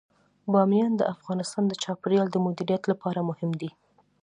بامیان د افغانستان د چاپیریال د مدیریت لپاره مهم دي.